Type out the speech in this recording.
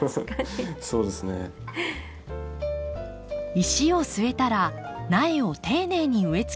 石を据えたら苗を丁寧に植え付けていきます。